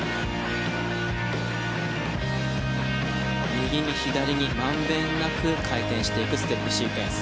右に左に満遍なく回転していくステップシークエンス。